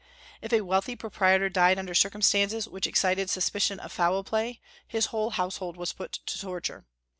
If a wealthy proprietor died under circumstances which excited suspicion of foul play, his whole household was put to torture.